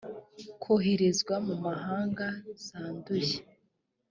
koherezwa mu mahanga zanduye